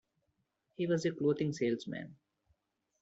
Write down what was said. He was a clothing salesman.